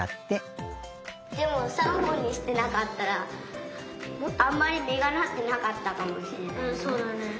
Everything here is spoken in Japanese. でも３本にしてなかったらあんまりみがなってなかったかもしれない。